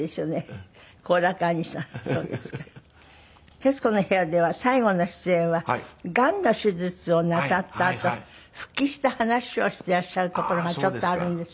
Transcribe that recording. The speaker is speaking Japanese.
『徹子の部屋』では最後の出演はがんの手術をなさったあと復帰した話をしていらっしゃるところがちょっとあるんですよ。